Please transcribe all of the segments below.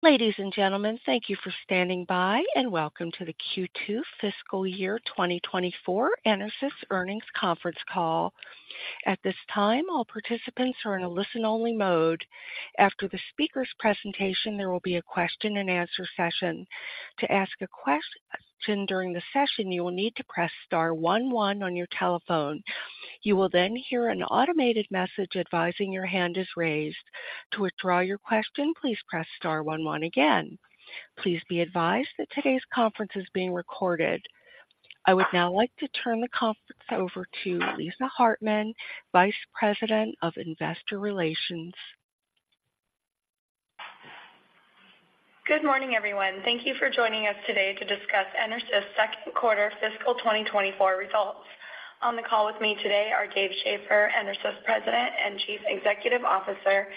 Ladies and gentlemen, thank you for standing by, and welcome to the Q2 fiscal year 2024 EnerSys Earnings Conference Call. At this time, all participants are in a listen-only mode. After the speaker's presentation, there will be a question-and-answer session. To ask a question during the session, you will need to press star one one on your telephone. You will then hear an automated message advising your hand is raised. To withdraw your question, please press star one one again. Please be advised that today's conference is being recorded. I would now like to turn the conference over to Lisa Hartman, Vice President of Investor Relations. Good morning, everyone. Thank you for joining us today to discuss EnerSys' second quarter fiscal 2024 results. On the call with me today are Dave Shaffer, EnerSys President and Chief Executive Officer,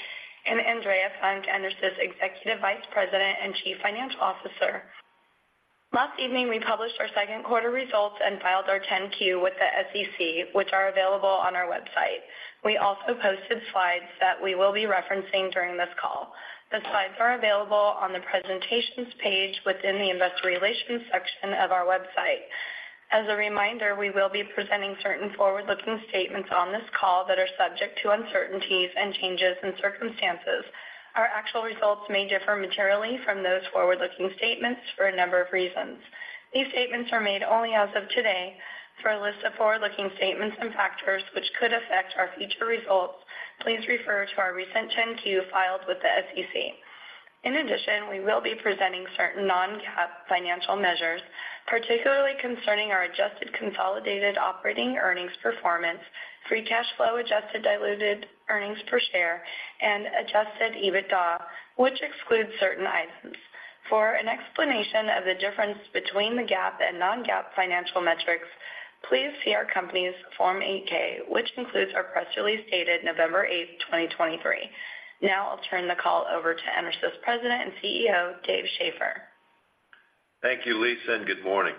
and Andrea Funk, EnerSys Executive Vice President and Chief Financial Officer. Last evening, we published our second quarter results and filed our 10-Q with the SEC, which are available on our website. We also posted slides that we will be referencing during this call. The slides are available on the presentations page within the Investor Relations section of our website. As a reminder, we will be presenting certain forward-looking statements on this call that are subject to uncertainties and changes in circumstances. Our actual results may differ materially from those forward-looking statements for a number of reasons. These statements are made only as of today. For a list of forward-looking statements and factors which could affect our future results, please refer to our recent 10-Q filed with the SEC. In addition, we will be presenting certain non-GAAP financial measures, particularly concerning our adjusted consolidated operating earnings performance, free cash flow, adjusted diluted earnings per share, and adjusted EBITDA, which excludes certain items. For an explanation of the difference between the GAAP and non-GAAP financial metrics, please see our company's Form 8-K, which includes our press release dated November 8, 2023. Now I'll turn the call over to EnerSys President and CEO, Dave Shaffer. Thank you, Lisa, and good morning.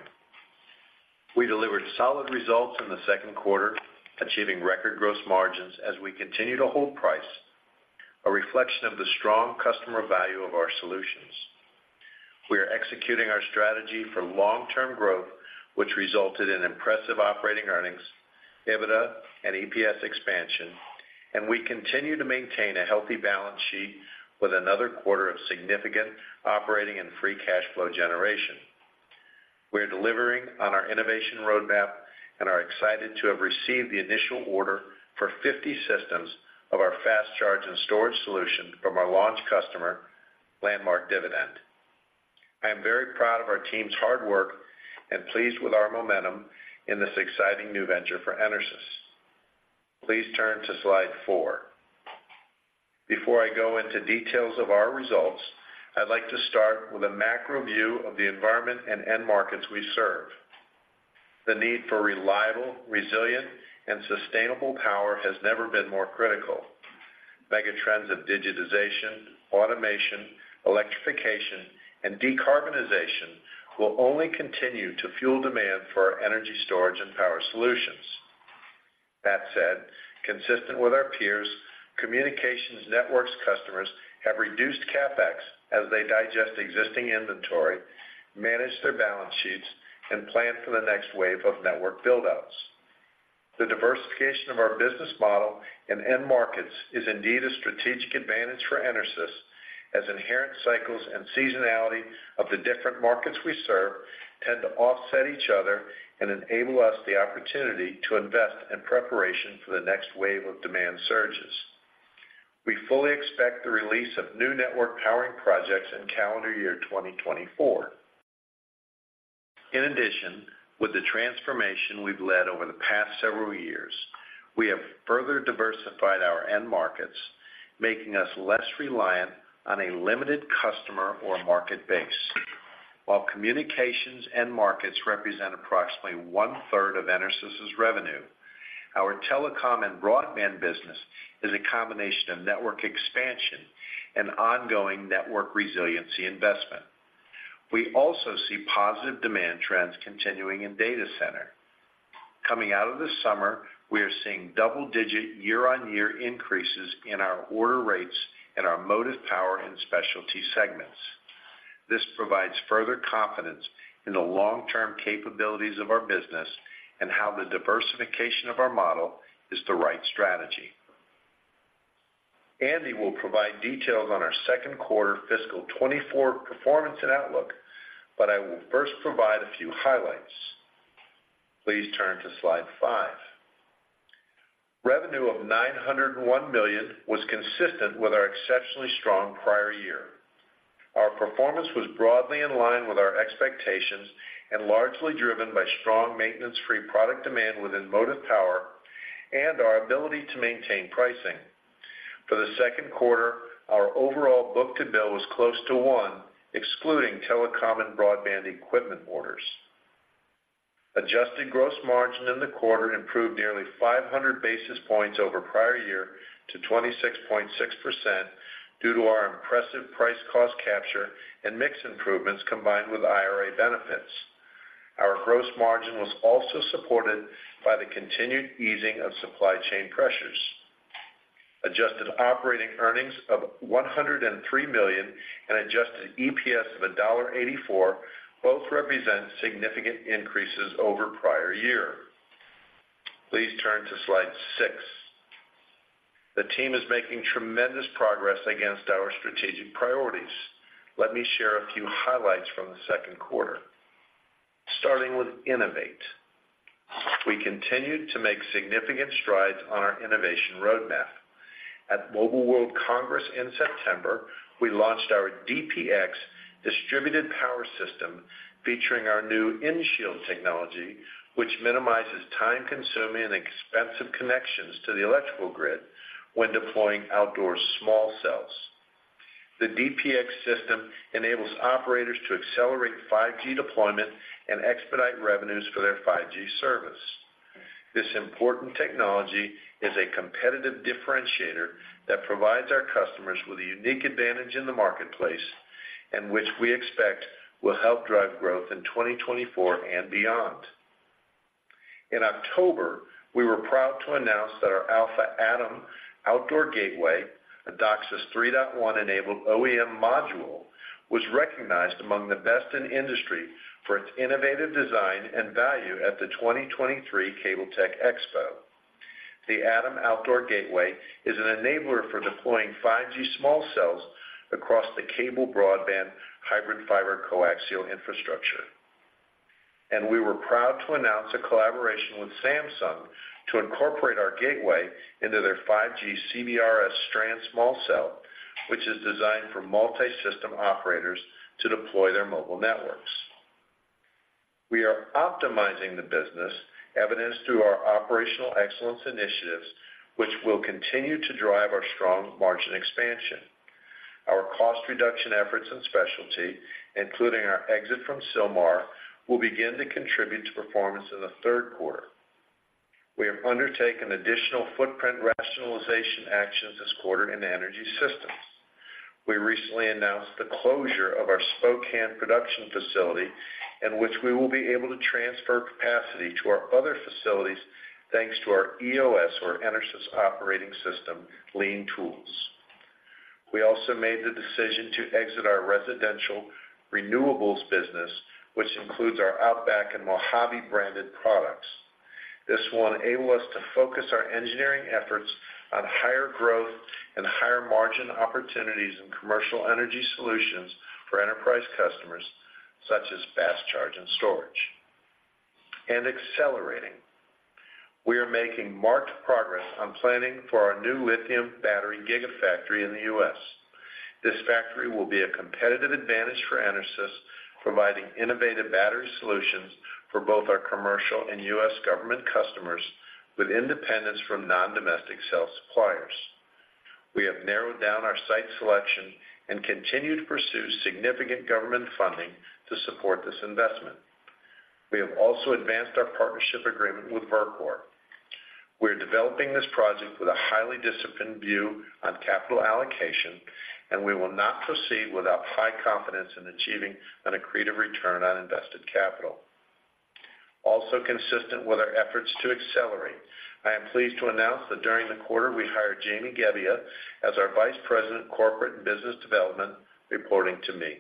We delivered solid results in the second quarter, achieving record gross margins as we continue to hold price, a reflection of the strong customer value of our solutions. We are executing our strategy for long-term growth, which resulted in impressive operating earnings, EBITDA and EPS expansion, and we continue to maintain a healthy balance sheet with another quarter of significant operating and free cash flow generation. We are delivering on our innovation roadmap and are excited to have received the initial order for 50 systems of our fast charge and storage solution from our launch customer, Landmark Dividend. I am very proud of our team's hard work and pleased with our momentum in this exciting new venture for EnerSys. Please turn to slide four. Before I go into details of our results, I'd like to start with a macro view of the environment and end markets we serve. The need for reliable, resilient, and sustainable power has never been more critical. Megatrends of digitization, automation, electrification, and decarbonization will only continue to fuel demand for our energy storage and power solutions. That said, consistent with our peers, communications networks customers have reduced CapEx as they digest existing inventory, manage their balance sheets, and plan for the next wave of network build-outs. The diversification of our business model and end markets is indeed a strategic advantage for EnerSys, as inherent cycles and seasonality of the different markets we serve tend to offset each other and enable us the opportunity to invest in preparation for the next wave of demand surges. We fully expect the release of new network powering projects in calendar year 2024. In addition, with the transformation we've led over the past several years, we have further diversified our end markets, making us less reliant on a limited customer or market base. While communications end markets represent approximately one-third of EnerSys' revenue, our telecom and broadband business is a combination of network expansion and ongoing network resiliency investment. We also see positive demand trends continuing in data center. Coming out of the summer, we are seeing double-digit year-on-year increases in our order rates and our motive, power, and specialty segments. This provides further confidence in the long-term capabilities of our business and how the diversification of our model is the right strategy. Andy will provide details on our second quarter fiscal 2024 performance and outlook, but I will first provide a few highlights. Please turn to slide five. Revenue of $901 million was consistent with our exceptionally strong prior year. Our performance was broadly in line with our expectations and largely driven by strong maintenance-free product demand within motive power and our ability to maintain pricing. For the second quarter, our overall book-to-bill was close to 1, excluding telecom and broadband equipment orders. Adjusted gross margin in the quarter improved nearly 500 basis points over prior year to 26.6% due to our impressive price cost capture and mix improvements combined with IRA benefits. Our gross margin was also supported by the continued easing of supply chain pressures. Adjusted operating earnings of $103 million and adjusted EPS of $1.84, both represent significant increases over prior year. Please turn to slide six. The team is making tremendous progress against our strategic priorities. Let me share a few highlights from the second quarter. Starting with innovate, we continued to make significant strides on our innovation roadmap. At Mobile World Congress in September, we launched our DPX distributed power system, featuring our new InShield technology, which minimizes time-consuming and expensive connections to the electrical grid when deploying outdoor small cells. The DPX system enables operators to accelerate 5G deployment and expedite revenues for their 5G service. This important technology is a competitive differentiator that provides our customers with a unique advantage in the marketplace, and which we expect will help drive growth in 2024 and beyond. In October, we were proud to announce that our Alpha Atom Outdoor Gateway, a DOCSIS 3.1-enabled OEM module, was recognized among the best in industry for its innovative design and value at the 2023 Cable Tech Expo. The Atom Outdoor Gateway is an enabler for deploying 5G small cells across the cable broadband hybrid fiber coaxial infrastructure. We were proud to announce a collaboration with Samsung to incorporate our gateway into their 5G CBRS Strand Small Cell, which is designed for multi-system operators to deploy their mobile networks. We are optimizing the business, evidenced through our operational excellence initiatives, which will continue to drive our strong margin expansion. Our cost reduction efforts in specialty, including our exit from Sylmar, will begin to contribute to performance in the third quarter. We have undertaken additional footprint rationalization actions this quarter in energy systems. We recently announced the closure of our Spokane production facility, in which we will be able to transfer capacity to our other facilities, thanks to our EOS, or EnerSys Operating System, lean tools. We also made the decision to exit our residential renewables business, which includes our Outback and Mojave-branded products. This will enable us to focus our engineering efforts on higher growth and higher-margin opportunities in commercial energy solutions for enterprise customers, such as fast charge and storage. And accelerating. We are making marked progress on planning for our new lithium battery gigafactory in the U.S. This factory will be a competitive advantage for EnerSys, providing innovative battery solutions for both our commercial and U.S. government customers, with independence from non-domestic cell suppliers. We have narrowed down our site selection and continue to pursue significant government funding to support this investment. We have also advanced our partnership agreement with Verkor. We are developing this project with a highly disciplined view on capital allocation, and we will not proceed without high confidence in achieving an accretive return on invested capital. Also consistent with our efforts to accelerate, I am pleased to announce that during the quarter, we hired Jamie Gallo as our Vice President of Corporate and Business Development, reporting to me.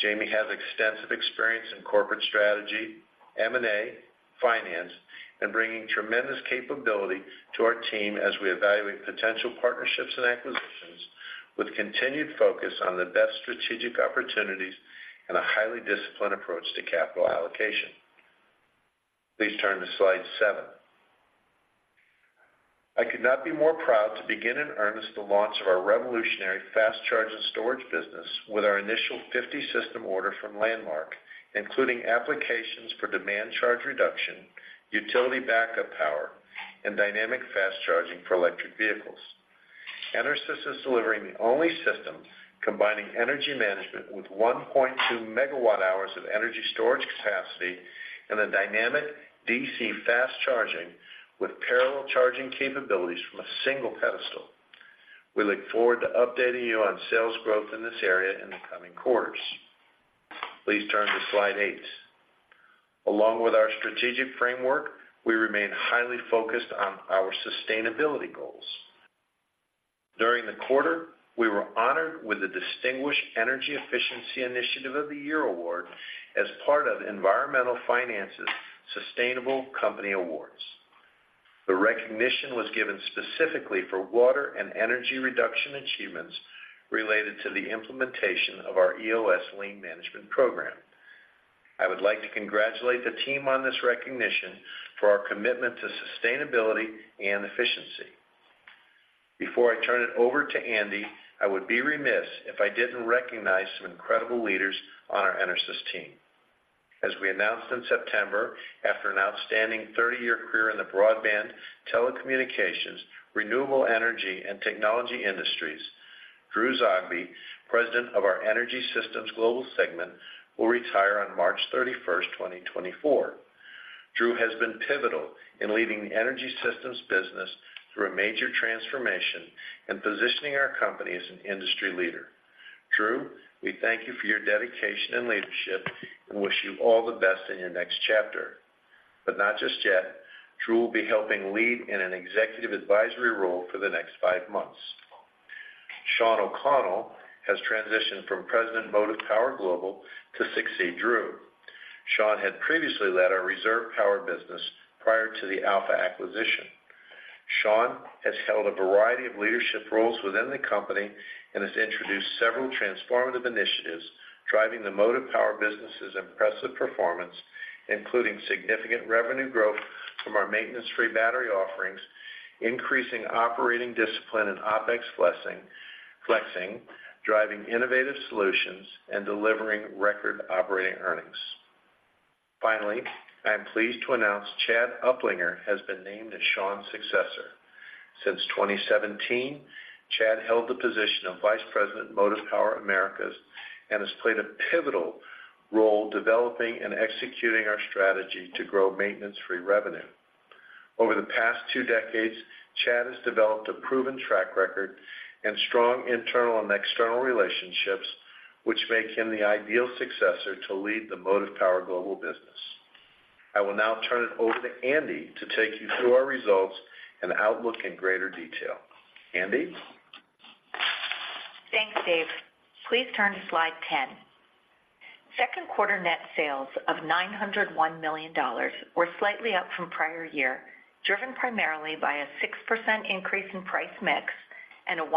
Jamie has extensive experience in corporate strategy, M&A, finance, and bringing tremendous capability to our team as we evaluate potential partnerships and acquisitions, with continued focus on the best strategic opportunities and a highly disciplined approach to capital allocation. Please turn to slide seven. I could not be more proud to begin in earnest the launch of our revolutionary fast charge and storage business with our initial 50-system order from Landmark, including applications for demand charge reduction, utility backup power, and dynamic fast charging for electric vehicles. EnerSys is delivering the only system combining energy management with 1.2 MWh of energy storage capacity and a dynamic DC Fast Charging with parallel charging capabilities from a single pedestal. We look forward to updating you on sales growth in this area in the coming quarters. Please turn to slide eight. Along with our strategic framework, we remain highly focused on our sustainability goals. During the quarter, we were honored with the Distinguished Energy Efficiency Initiative of the Year award as part of Environmental Finance's Sustainable Company Awards. The recognition was given specifically for water and energy reduction achievements related to the implementation of our EOS Lean Management program. I would like to congratulate the team on this recognition for our commitment to sustainability and efficiency. Before I turn it over to Andy, I would be remiss if I didn't recognize some incredible leaders on our EnerSys team. As we announced in September, after an outstanding 30-year career in the broadband, telecommunications, renewable energy, and technology industries, Drew Zogby, President of our Energy Systems Global segment, will retire on March 31, 2024. Drew has been pivotal in leading the Energy Systems business through a major transformation and positioning our company as an industry leader. Drew, we thank you for your dedication and leadership and wish you all the best in your next chapter... but not just yet. Drew will be helping lead in an executive advisory role for the next five months. Sean O'Connell has transitioned from President, Motive Power Global, to succeed Drew. Sean had previously led our reserve power business prior to the Alpha acquisition. Sean has held a variety of leadership roles within the company and has introduced several transformative initiatives, driving the Motive Power business's impressive performance, including significant revenue growth from our maintenance-free battery offerings, increasing operating discipline and OpEx flexing, driving innovative solutions, and delivering record operating earnings. Finally, I am pleased to announce Chad Uplinger has been named as Sean's successor. Since 2017, Chad held the position of Vice President, Motive Power Americas, and has played a pivotal role developing and executing our strategy to grow maintenance-free revenue. Over the past two decades, Chad has developed a proven track record and strong internal and external relationships, which make him the ideal successor to lead the Motive Power Global business. I will now turn it over to Andy to take you through our results and outlook in greater detail. Andy? Thanks, Dave. Please turn to slide 10. Second quarter net sales of $901 million were slightly up from prior year, driven primarily by a 6% increase in price mix and a 1%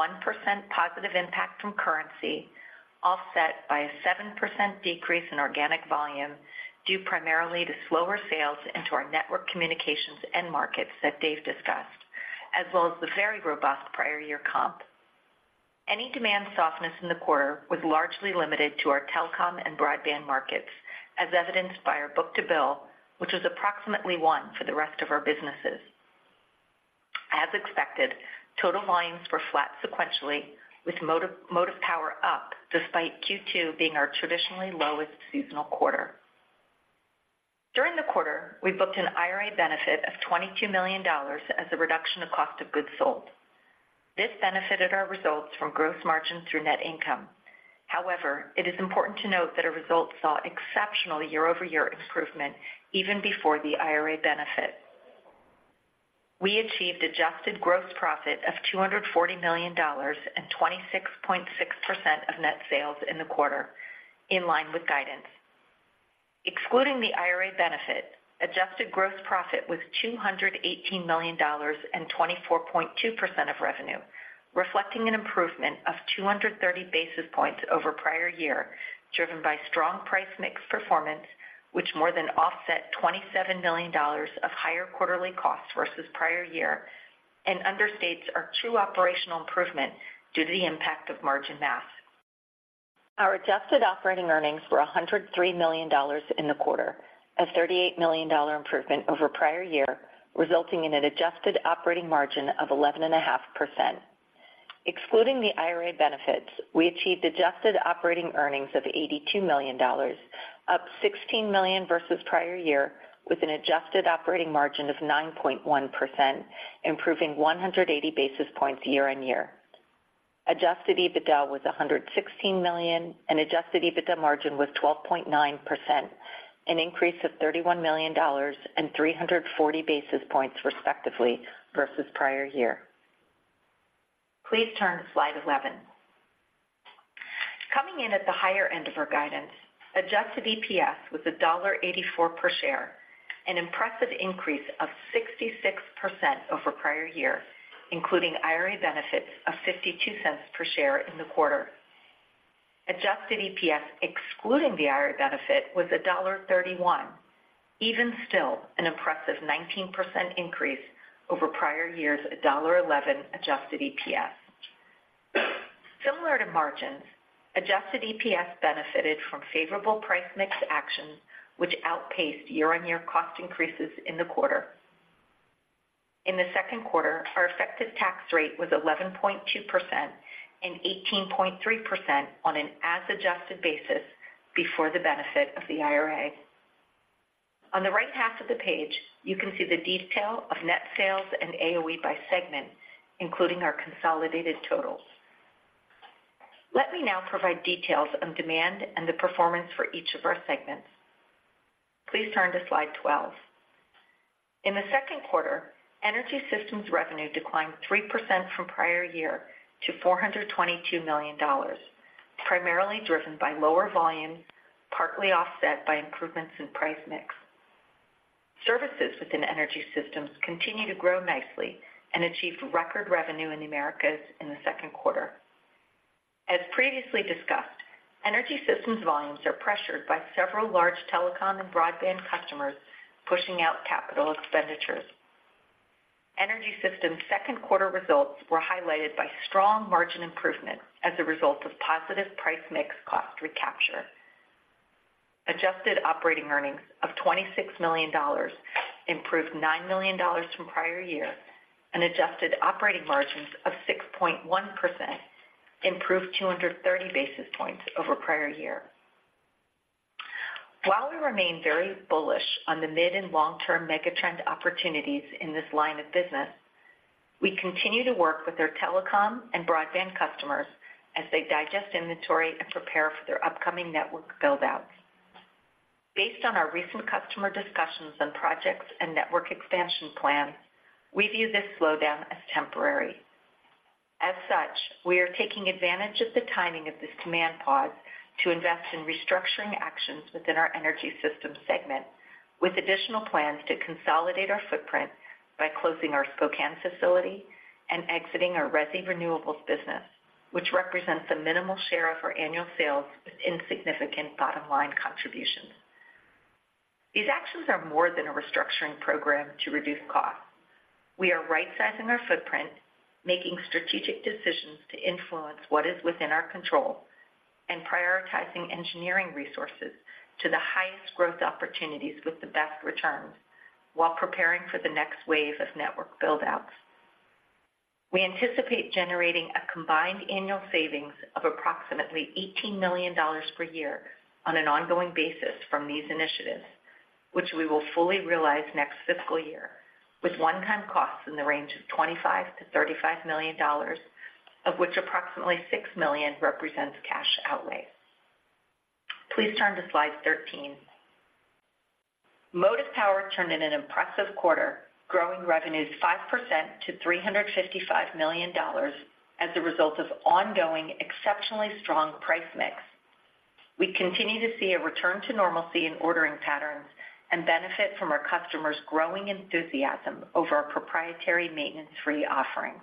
positive impact from currency, offset by a 7% decrease in organic volume, due primarily to slower sales into our network communications end markets that Dave discussed, as well as the very robust prior year comp. Any demand softness in the quarter was largely limited to our telecom and broadband markets, as evidenced by our book-to-bill, which was approximately one for the rest of our businesses. As expected, total volumes were flat sequentially, with Motive, Motive Power up, despite Q2 being our traditionally lowest seasonal quarter. During the quarter, we booked an IRA benefit of $22 million as a reduction of cost of goods sold. This benefited our results from gross margin through net income. However, it is important to note that our results saw exceptional year-over-year improvement even before the IRA benefit. We achieved adjusted gross profit of $240 million and 26.6% of net sales in the quarter, in line with guidance. Excluding the IRA benefit, adjusted gross profit was $218 million and 24.2% of revenue, reflecting an improvement of 230 basis points over prior year, driven by strong price mix performance, which more than offset $27 million of higher quarterly costs versus prior year and understates our true operational improvement due to the impact of margin math. Our adjusted operating earnings were $103 million in the quarter, a $38 million improvement over prior year, resulting in an adjusted operating margin of 11.5%. Excluding the IRA benefits, we achieved adjusted operating earnings of $82 million, up $16 million versus prior year, with an adjusted operating margin of 9.1%, improving 180 basis points year-over-year. Adjusted EBITDA was $116 million, and adjusted EBITDA margin was 12.9%, an increase of $31 million and 340 basis points, respectively, versus prior year. Please turn to slide 11. Coming in at the higher end of our guidance, adjusted EPS was $1.84 per share, an impressive increase of 66% over prior-year, including IRA benefits of $0.52 per share in the quarter. Adjusted EPS, excluding the IRA benefit, was $1.31, even still an impressive 19% increase over prior-year's $1.11 adjusted EPS. Similar to margins, adjusted EPS benefited from favorable price mix actions, which outpaced year-on-year cost increases in the quarter. In the second quarter, our effective tax rate was 11.2% and 18.3% on an as-adjusted basis before the benefit of the IRA. On the right half of the page, you can see the detail of net sales and AOE by segment, including our consolidated totals. Let me now provide details on demand and the performance for each of our segments. Please turn to slide 12. In the second quarter, Energy Systems revenue declined 3% from prior year to $422 million, primarily driven by lower volumes, partly offset by improvements in price mix. Services within Energy Systems continued to grow nicely and achieved record revenue in the Americas in the second quarter. As previously discussed, Energy Systems volumes are pressured by several large telecom and broadband customers pushing out capital expenditures. Energy Systems' second quarter results were highlighted by strong margin improvement as a result of positive price mix cost recapture. Adjusted operating earnings of $26 million improved $9 million from prior year, and adjusted operating margins of 6.1% improved 230 basis points over prior year. While we remain very bullish on the mid- and long-term megatrend opportunities in this line of business... We continue to work with our telecom and broadba nd customers as they digest inventory and prepare for their upcoming network build-outs. Based on our recent customer discussions on projects and network expansion plans, we view this slow down as temporary. As such, we are taking advantage of the timing of this demand pause to invest in restructuring actions within our Energy Systems segment, with additional plans to consolidate our footprint by closing our Spokane facility and exiting our Resi renewables business, which represents a minimal share of our annual sales with insignificant bottom line contributions. These actions are more than a restructuring program to reduce costs. We are rightsizing our footprint, making strategic decisions to influence what is within our control, and prioritizing engineering resources to the highest growth opportunities with the best returns, while preparing for the next wave of network build-outs. We anticipate generating a combined annual savings of approximately $18 million per year on an ongoing basis from these initiatives, which we will fully realize next fiscal year, with one-time costs in the range of $25 million-$35 million, of which approximately $6 million represents cash outlays. Please turn to slide 13. Motive Power turned in an impressive quarter, growing revenues 5% to $355 million as a result of ongoing, exceptionally strong price mix. We continue to see a return to normalcy in ordering patterns and benefit from our customers' growing enthusiasm over our proprietary maintenance-free offering.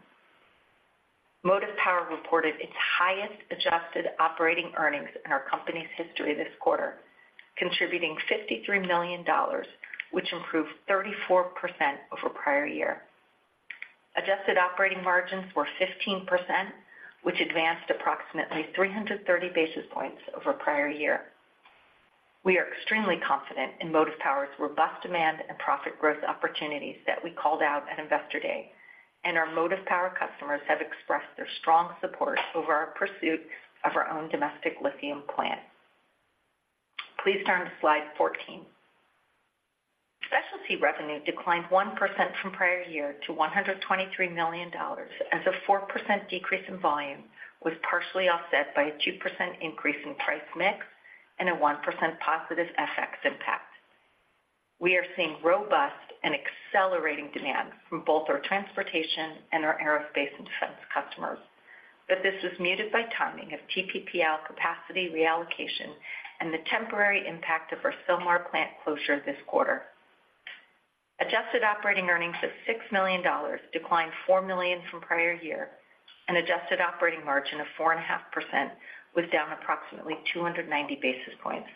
Motive Power reported its highest adjusted operating earnings in our company's history this quarter, contributing $53 million, which improved 34% over prior year. Adjusted operating margins were 15%, which advanced approximately 330 basis points over prior year. We are extremely confident in Motive Power's robust demand and profit growth opportunities that we called out at Investor Day, and our Motive Power customers have expressed their strong support over our pursuit of our own domestic lithium plant. Please turn to slide 14. Specialty revenue declined 1% from prior year to $123 million, as a 4% decrease in volume was partially offset by a 2% increase in price mix and a 1% positive FX impact. We are seeing robust and accelerating demand from both our transportation and our aerospace and defense customers, but this was muted by timing of TPPL capacity reallocation and the temporary impact of our Sylmar plant closure this quarter. Adjusted operating earnings of $6 million declined $4 million from prior year, and adjusted operating margin of 4.5% was down approximately 290 basis points.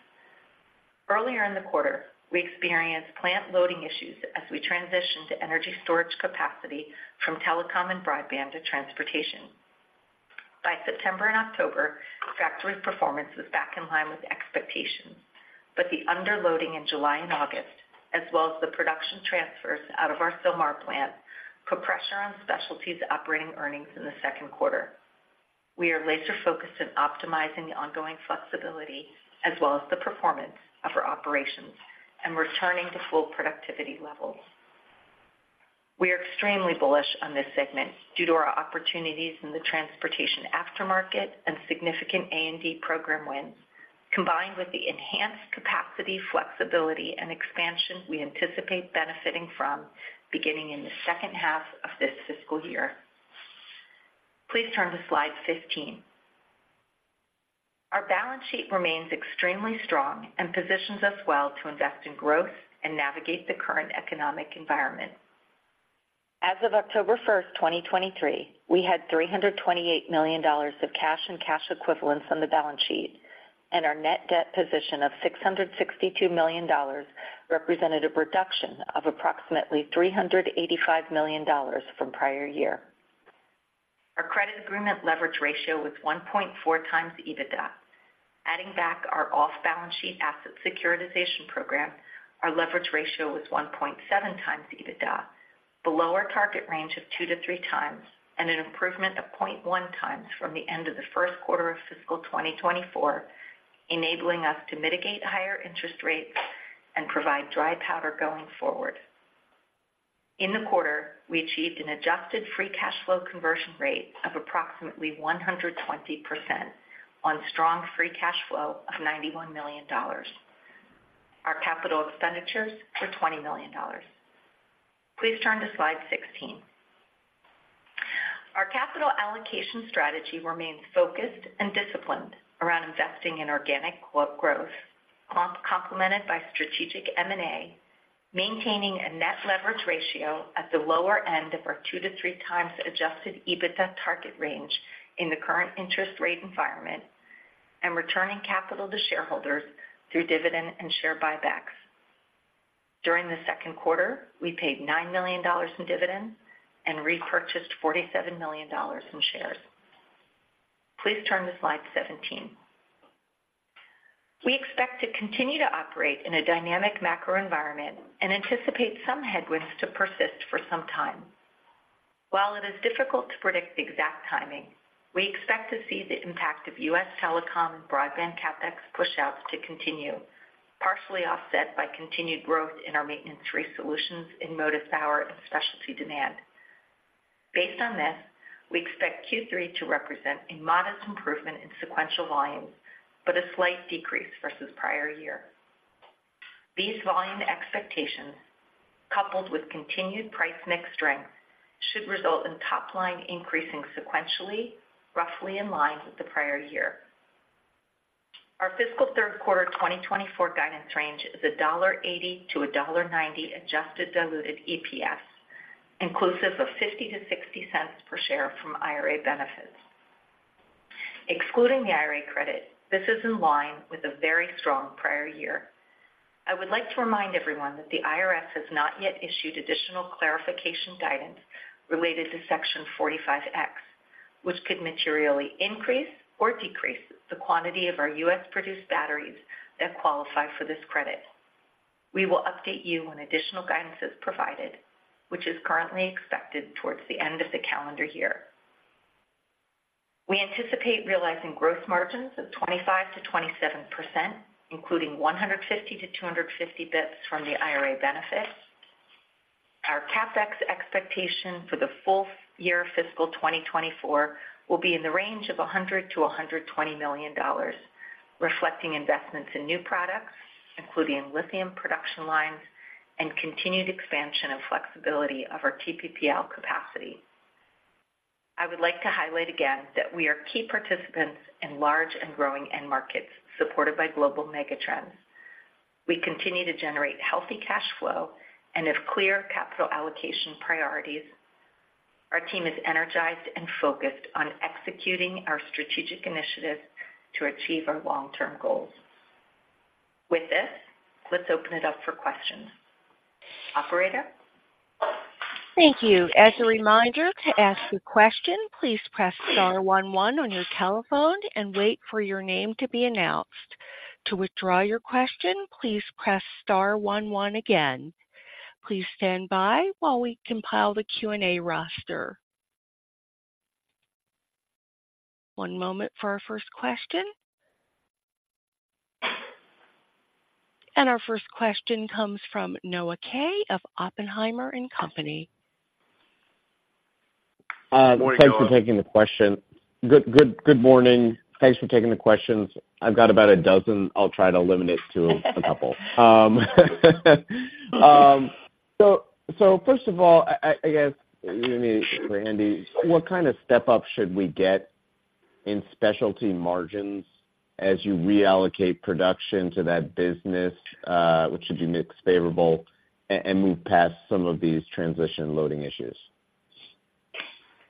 Earlier in the quarter, we experienced plant loading issues as we transitioned to energy storage capacity from telecom and broadband to transportation. By September and October, factory performance was back in line with expectations, but the underloading in July and August, as well as the production transfers out of our Sylmar plant, put pressure on Specialty's operating earnings in the second quarter. We are laser-focused on optimizing the ongoing flexibility as well as the performance of our operations and returning to full productivity levels. We are extremely bullish on this segment due to our opportunities in the transportation aftermarket and significant A&D program wins, combined with the enhanced capacity, flexibility and expansion we anticipate benefiting from beginning in the second half of this fiscal year. Please turn to slide 15. Our balance sheet remains extremely strong and positions us well to invest in growth and navigate the current economic environment. As of October 1, 2023, we had $328 million of cash and cash equivalents on the balance sheet, and our net debt position of $662 million represented a reduction of approximately $385 million from prior year. Our credit agreement leverage ratio was 1.4x EBITDA. Adding back our off-balance sheet asset securitization program, our leverage ratio was 1.7 times EBITDA, below our target range of two to three times, and an improvement of 0.1 times from the end of the first quarter of fiscal 2024, enabling us to mitigate higher interest rates and provide dry powder going forward. In the quarter, we achieved an adjusted free cash flow conversion rate of approximately 120% on strong free cash flow of $91 million. Our capital expenditures were $20 million. Please turn to slide 16. Our capital allocation strategy remains focused and disciplined around investing in organic growth, complemented by strategic M&A, maintaining a net leverage ratio at the lower end of our two to three times adjusted EBITDA target range in the current interest rate environment, and returning capital to shareholders through dividend and share buybacks. During the second quarter, we paid $9 million in dividends and repurchased $47 million in shares. Please turn to slide 17. We expect to continue to operate in a dynamic macro environment and anticipate some headwinds to persist for some time. While it is difficult to predict the exact timing... We expect to see the impact of U.S. telecom and broadband CapEx pushouts to continue, partially offset by continued growth in our maintenance resolutions in motive power and specialty demand. Based on this, we expect Q3 to represent a modest improvement in sequential volumes, but a slight decrease versus prior year. These volume expectations, coupled with continued price mix strength, should result in top line increasing sequentially, roughly in line with the prior year. Our fiscal third quarter 2024 guidance range is $1.80-$1.90 adjusted diluted EPS, inclusive of $0.50-$0.60 per share from IRA benefits. Excluding the IRA credit, this is in line with a very strong prior year. I would like to remind everyone that the IRS has not yet issued additional clarification guidance related to Section 45X, which could materially increase or decrease the quantity of our U.S.-produced batteries that qualify for this credit. We will update you when additional guidance is provided, which is currently expected towards the end of the calendar year. We anticipate realizing growth margins of 25%-27%, including 150-250 basis points from the IRA benefit. Our CapEx expectation for the full year fiscal 2024 will be in the range of $100-$120 million, reflecting investments in new products, including lithium production lines and continued expansion and flexibility of our TPPL capacity. I would like to highlight again that we are key participants in large and growing end markets supported by global megatrends. We continue to generate healthy cash flow and have clear capital allocation priorities. Our team is energized and focused on executing our strategic initiatives to achieve our long-term goals. With this, let's open it up for questions. Operator? Thank you. As a reminder, to ask a question, please press star one one on your telephone and wait for your name to be announced. To withdraw your question, please press star one one again. Please stand by while we compile the Q&A roster. One moment for our first question. Our first question comes from Noah Kaye of Oppenheimer and Company. Good morning, Noah. Thanks for taking the question. Good morning. Thanks for taking the questions. I've got about a dozen. I'll try to limit it to a couple. So first of all, I guess, maybe for Andy, what kind of step-up should we get in specialty margins as you reallocate production to that business, which should be mix favorable and move past some of these transition loading issues?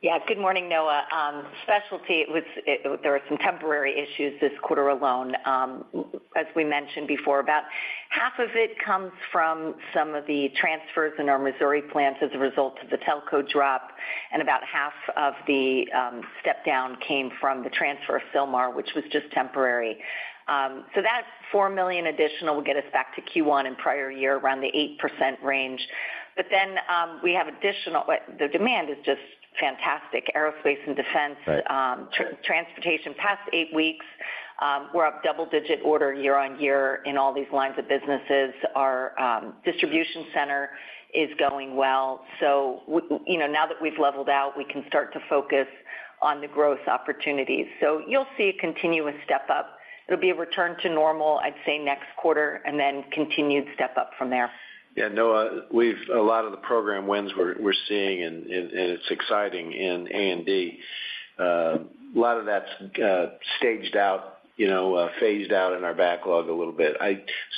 Yeah. Good morning, Noah. Specialty with there were some temporary issues this quarter alone. As we mentioned before, about half of it comes from some of the transfers in our Missouri plant as a result of the telco drop, and about half of the step down came from the transfer of Silmar, which was just temporary. So that $4 million additional will get us back to Q1 in prior year, around the 8% range. But then, we have additional the demand is just fantastic. Aerospace and defense- Right. Transportation, past eight weeks, we're up double-digit order year-over-year in all these lines of businesses. Our distribution center is going well. So, you know, now that we've leveled out, we can start to focus on the growth opportunities. So you'll see a continuous step-up. It'll be a return to normal, I'd say, next quarter, and then continued step-up from there. Yeah, Noah, we've a lot of the program wins we're seeing, and it's exciting in A&D. A lot of that's staged out, you know, phased out in our backlog a little bit.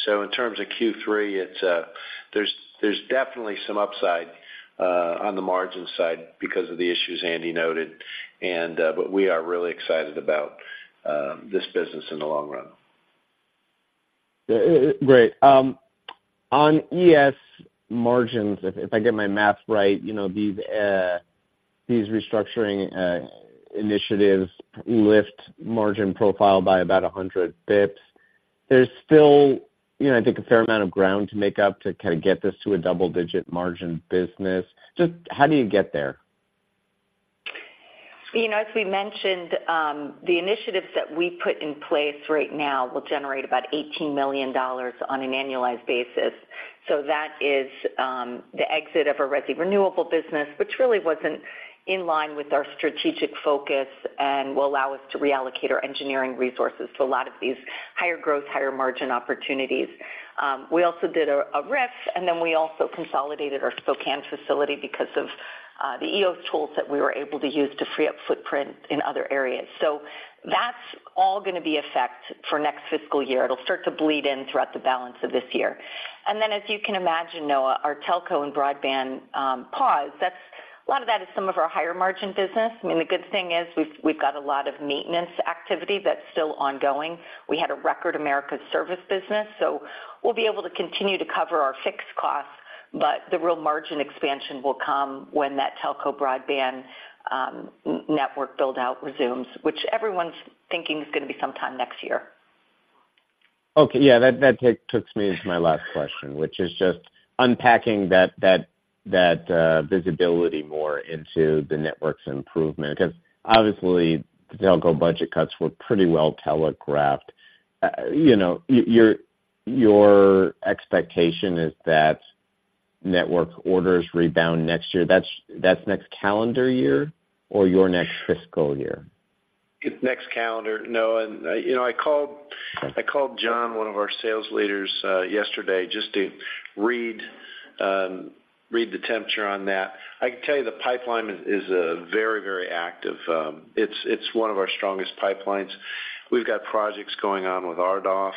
So in terms of Q3, it's, there's definitely some upside on the margin side because of the issues Andy noted, and but we are really excited about this business in the long run. Great. On ES margins, if I get my math right, you know, these restructuring initiatives lift margin profile by about 100 basis points. There's still, you know, I think, a fair amount of ground to make up to kind of get this to a double-digit margin business. Just how do you get there? You know, as we mentioned, the initiatives that we put in place right now will generate about $18 million on an annualized basis. So that is, the exit of our resi renewable business, which really wasn't in line with our strategic focus and will allow us to reallocate our engineering resources to a lot of these higher growth, higher margin opportunities. We also did a RIF, and then we also consolidated our Spokane facility because of the EOS tools that we were able to use to free up footprint in other areas. So that's all gonna be effective for next fiscal year. It'll start to bleed in throughout the balance of this year. And then, as you can imagine, Noah, our telco and broadband, that's a lot of that is some of our higher margin business. I mean, the good thing is we've got a lot of maintenance activity that's still ongoing. We had a record Americas service business, so we'll be able to continue to cover our fixed costs, but the real margin expansion will come when that telco broadband network build-out resumes, which everyone's thinking is gonna be sometime next year.... Okay, yeah, that takes me to my last question, which is just unpacking that visibility more into the network's improvement. Because obviously, the telco budget cuts were pretty well telegraphed. You know, your expectation is that network orders rebound next year. That's next calendar year or your next fiscal year? Next calendar. No, and, you know, I called, I called John, one of our sales leaders, yesterday, just to read, read the temperature on that. I can tell you the pipeline is, is very, very active. It's, it's one of our strongest pipelines. We've got projects going on with RDOF,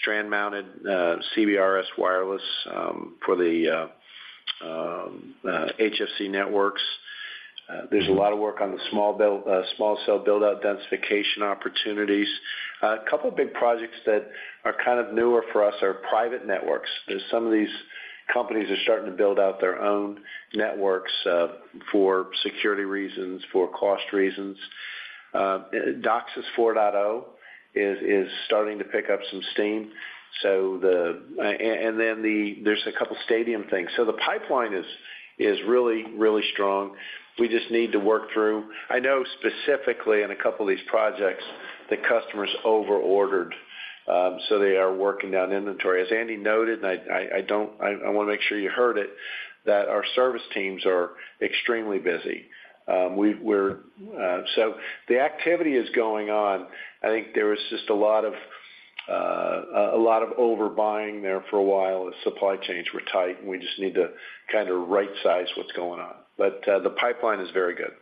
strand-mounted CBRS wireless for the HFC networks. There's a lot of work on the small build small cell build-out densification opportunities. A couple of big projects that are kind of newer for us are private networks. There's some of these companies are starting to build out their own networks for security reasons, for cost reasons. DOCSIS 4.0 is starting to pick up some steam. So the a a and then the, there's a couple stadium things. So the pipeline is really, really strong. We just need to work through. I know specifically in a couple of these projects, the customers overordered, so they are working down inventory. As Andy noted, and I wanna make sure you heard it, that our service teams are extremely busy. We're so the activity is going on. I think there was just a lot of a lot of overbuying there for a while as supply chains were tight, and we just need to kind of rightsize what's going on. But the pipeline is very good.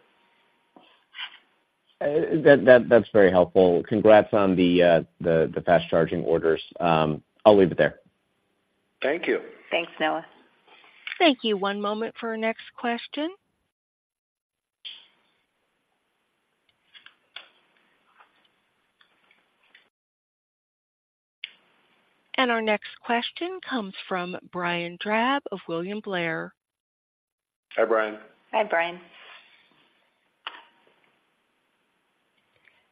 That's very helpful. Congrats on the fast charging orders. I'll leave it there. Thank you. Thanks, Noah. Thank you. One moment for our next question. Our next question comes from Brian Drab of William Blair. Hi, Brian. Hi, Brian.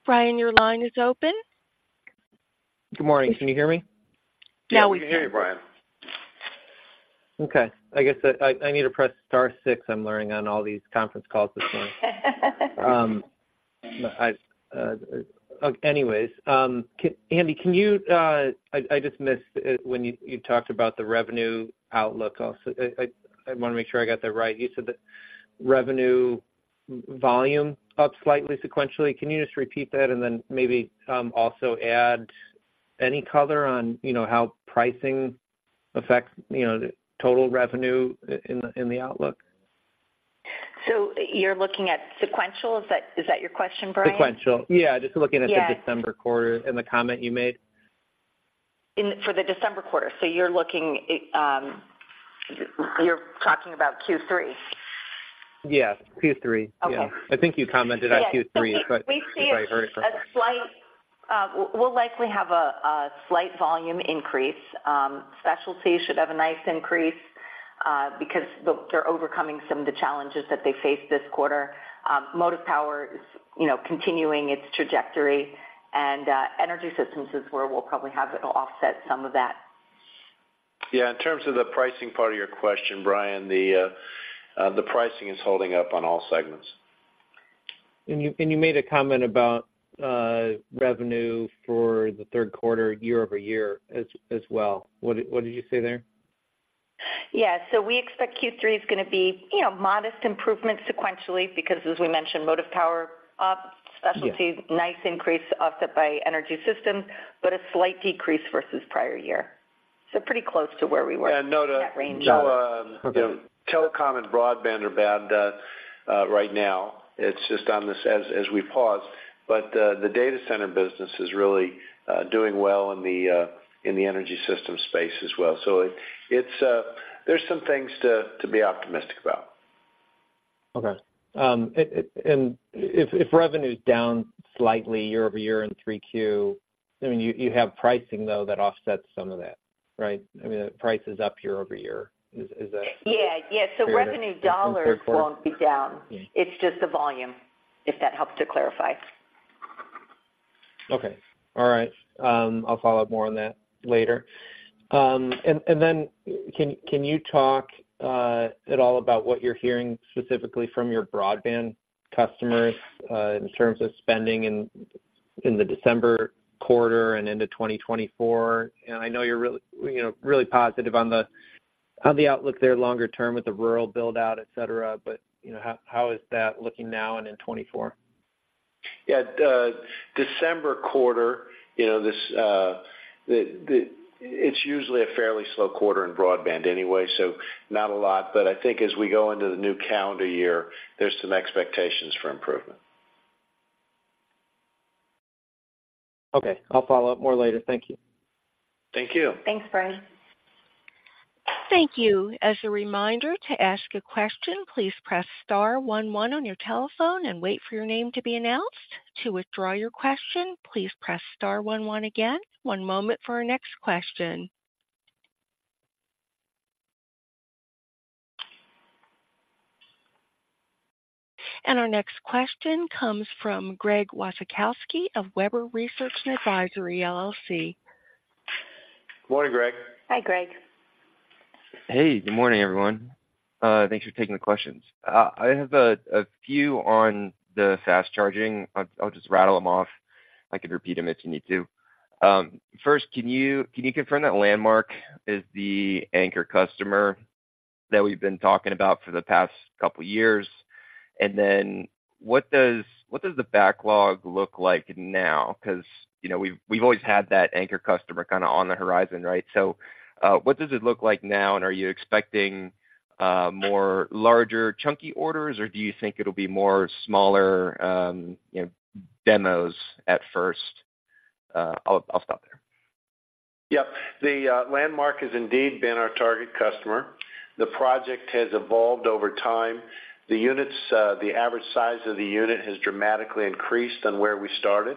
Brian, your line is open. Good morning. Can you hear me? Now we can. We can hear you, Brian. Okay, I guess I need to press star six, I'm learning, on all these conference calls this morning. Anyway, Andy, can you, I just missed when you talked about the revenue outlook. Also, I wanna make sure I got that right. You said the revenue volume up slightly sequentially. Can you just repeat that and then maybe, also add any color on, you know, how pricing affects, you know, the total revenue in the outlook? So you're looking at sequential, is that, is that your question, Brian? Sequential. Yeah, just looking at- Yeah the December quarter and the comment you made. For the December quarter. So you're looking, you're talking about Q3? Yes, Q3. Okay. Yeah. I think you commented on Q3, but- We see a slight. We'll likely have a slight volume increase. Specialty should have a nice increase, because they're overcoming some of the challenges that they faced this quarter. Motive power is, you know, continuing its trajectory, and energy systems is where we'll probably have it offset some of that. Yeah, in terms of the pricing part of your question, Brian, the pricing is holding up on all segments. You made a comment about revenue for the third quarter year-over-year as well. What did you say there? Yeah. So we expect Q3 is gonna be, you know, modest improvement sequentially, because as we mentioned, motive power up, specialties- Yeah... Nice increase offset by energy systems, but a slight decrease versus prior year. So pretty close to where we were- And note, That range. Note, uh- Okay ...Telecom and broadband are bad right now. It's just on this as we pause. But the data center business is really doing well in the energy system space as well. So it's, there's some things to be optimistic about. Okay. And if revenue is down slightly year-over-year in 3Q, I mean, you have pricing, though, that offsets some of that, right? I mean, the price is up year-over-year. Is that- Yeah. Yeah, so revenue dollars won't be down. Yeah. It's just the volume, if that helps to clarify. Okay. All right. I'll follow up more on that later. And then, can you talk at all about what you're hearing specifically from your broadband customers in terms of spending in the December quarter and into 2024? And I know you're really, you know, really positive on the outlook there longer term with the rural build-out, et cetera, but, you know, how is that looking now and in 2024? Yeah, the December quarter, you know, it's usually a fairly slow quarter in broadband anyway, so not a lot. But I think as we go into the new calendar year, there's some expectations for improvement. Okay. I'll follow up more later. Thank you. Thank you. Thanks, Brian. Thank you. As a reminder, to ask a question, please press star one one on your telephone and wait for your name to be announced. To withdraw your question, please press star one one again. One moment for our next question. And our next question comes from Greg Wasikowski of Webber Research and Advisory LLC. Morning, Greg. Hi, Greg. Hey, good morning, everyone. Thanks for taking the questions. I have a few on the fast charging. I'll just rattle them off. I can repeat them if you need to. First, can you confirm that Landmark is the anchor customer that we've been talking about for the past couple years? And then what does the backlog look like now? 'Cause, you know, we've always had that anchor customer kinda on the horizon, right? So, what does it look like now, and are you expecting more larger, chunky orders, or do you think it'll be more smaller, you know, demos at first? I'll stop there. Yep. The Landmark has indeed been our target customer. The project has evolved over time. The units, the average size of the unit has dramatically increased than where we started.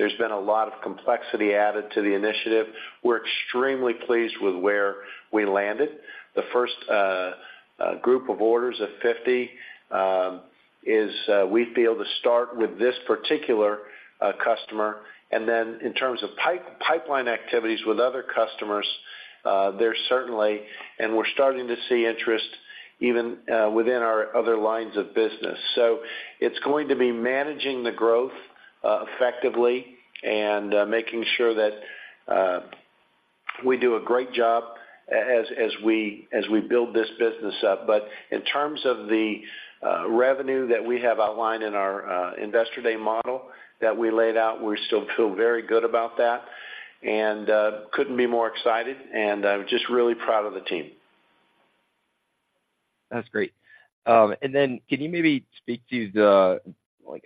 There's been a lot of complexity added to the initiative. We're extremely pleased with where we landed. The first group of orders of 50 is we feel to start with this particular customer, and then in terms of pipeline activities with other customers, there certainly, and we're starting to see interest even within our other lines of business. So it's going to be managing the growth effectively and making sure that we do a great job as we build this business up. But in terms of the revenue that we have outlined in our Investor Day model that we laid out, we still feel very good about that and couldn't be more excited, and I'm just really proud of the team. That's great. And then can you maybe speak to the, like,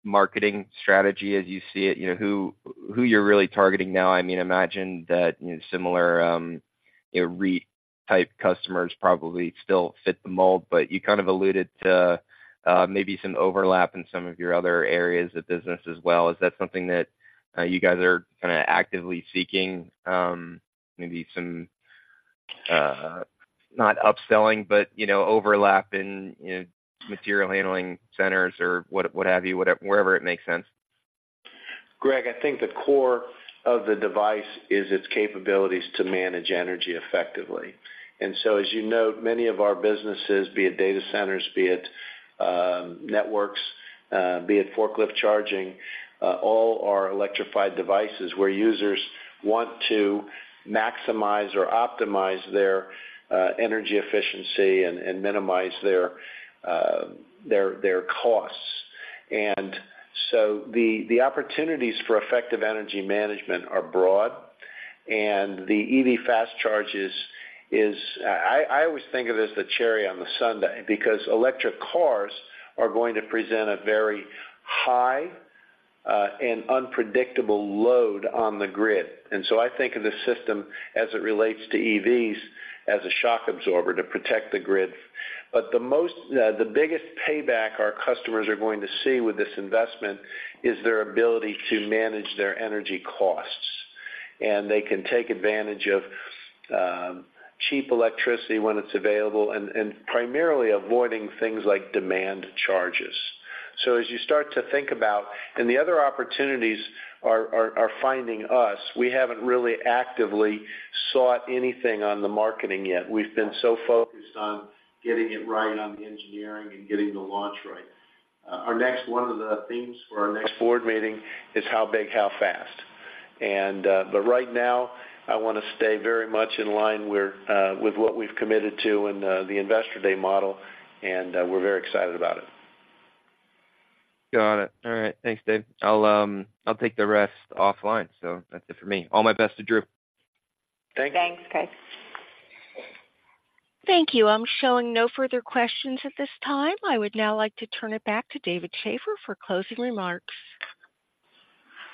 updated marketing strategy as you see it? You know, who, who you're really targeting now? I mean, I imagine that, you know, similar, you know, re-type customers probably still fit the mold, but you kind of alluded to, maybe some overlap in some of your other areas of business as well. Is that something that, you guys are kinda actively seeking? Maybe some, not upselling, but, you know, overlap in, you know, material handling centers or what have you, wherever it makes sense. Greg, I think the core of the device is its capabilities to manage energy effectively. And so, as you note, many of our businesses, be it data centers, be it networks, be it forklift charging, all are electrified devices where users want to maximize or optimize their energy efficiency and minimize their costs. And so the opportunities for effective energy management are broad, and the EV fast charge is... I always think of it as the cherry on the sundae, because electric cars are going to present a very high and unpredictable load on the grid. And so I think of this system as it relates to EVs as a shock absorber to protect the grid. But the most, the biggest payback our customers are going to see with this investment is their ability to manage their energy costs, and they can take advantage of cheap electricity when it's available and primarily avoiding things like demand charges. So as you start to think about... The other opportunities are finding us. We haven't really actively sought anything on the marketing yet. We've been so focused on getting it right on the engineering and getting the launch right. Our next one of the themes for our next board meeting is how big, how fast? But right now, I wanna stay very much in line where, with what we've committed to in the Investor Day model, and we're very excited about it. Got it. All right. Thanks, Dave. I'll, I'll take the rest offline. So that's it for me. All my best to Drew. Thanks. Thanks, Greg. Thank you. I'm showing no further questions at this time. I would now like to turn it back to David Shaffer for closing remarks.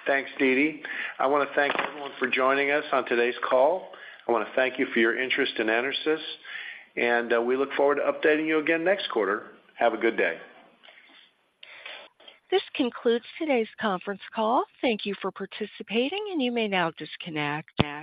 Thanks, Dee Dee. I wanna thank everyone for joining us on today's call. I wanna thank you for your interest in EnerSys, and we look forward to updating you again next quarter. Have a good day. This concludes today's conference call. Thank you for participating, and you may now disconnect.